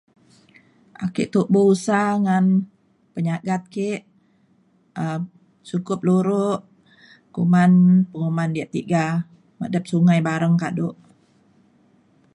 Ake tubo usa ngan penyagat ke um sukup luro kuman penguman yak tiga medep sungai bareng kado.